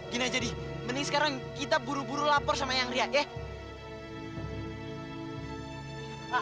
gini aja deh mending sekarang kita buru buru lapor sama yang riak ya